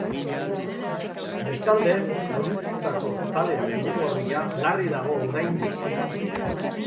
Bestalde, zauritutako zale zuri-gorria larri dago oraindik.